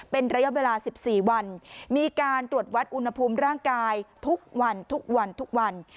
เป็นระยะเวลา๑๔วันมีการตรวจวัดอุณหภูมิร่างกายทุกวันทุกวันทุกวันทุกวัน